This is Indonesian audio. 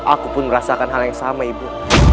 aku pun merasakan hal yang sama ibu